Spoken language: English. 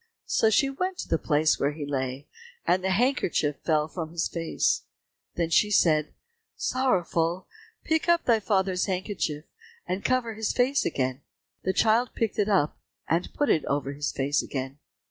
So she went to the place where he lay, and the handkerchief fell from his face. Then said she, "Sorrowful, pick up thy father's handkerchief, and cover his face again." The child picked it up, and put it over his face again.